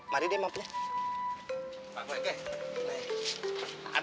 mari deh mampunya